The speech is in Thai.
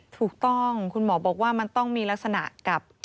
ถูกต้องคุณหมอบอกว่ามันต้องมีลักษณะกับ